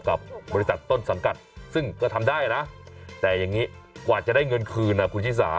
กับบริษัทต้นสังกัดซึ่งก็ทำได้นะแต่อย่างนี้กว่าจะได้เงินคืนนะคุณชิสา